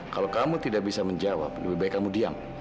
kalau kamu tidak bisa menjawab lebih baik kamu diam